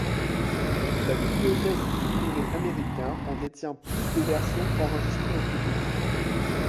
La Bibliothèque du Congrès Américain en détient plus de versions enregistrées en public.